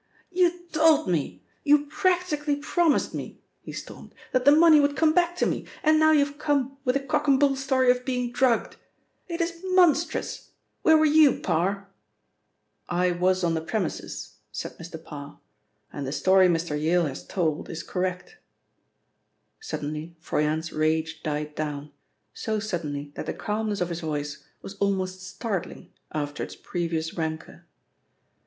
"You told me, you practically promised me," he stormed, "that the money would come back to me, and now you have come with a cock and bull story of being drugged. It is monstrous! Where were you, Parr?" "I was on the premises," said Mr. Parr, "and the story Mr. Yale has told is correct." Suddenly Froyant's rage died down, so suddenly that the calmness of his voice was almost startling after its previous rancour.